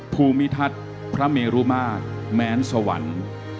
ภูมิทัศน์พระเมรุมาตรแม้นสวรรค์